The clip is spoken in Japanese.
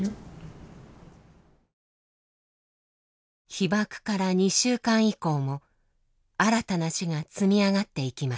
被爆から２週間以降も新たな死が積み上がっていきます。